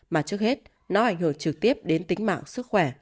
mà trước hết nó ảnh hưởng trực tiếp đến tính mạng sức khỏe